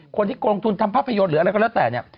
คนที่ลงทุนทำภาพยนตร์หรืออะไรก็แล้วแต่